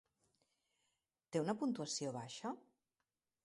Té una puntuació baixa?